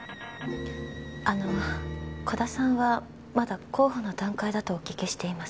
あの鼓田さんはまだ候補の段階だとお聞きしています。